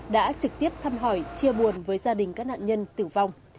đã trực tiếp thăm hỏi chia buồn với gia đình các nạn nhân tử vong